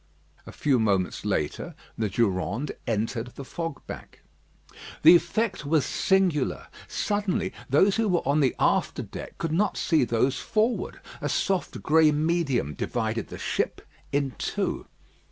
A few moments later, the Durande entered the fog bank. The effect was singular. Suddenly those who were on the after deck could not see those forward. A soft grey medium divided the ship in two.